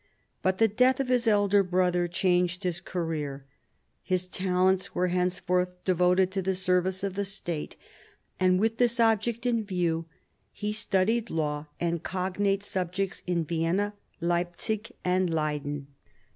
But the death of his elder brother changed his career. His talents were henceforward devoted to the service of the state ; and with this object in view he studied law and cognate subjects in Vienna, Leipzig, and Leyden.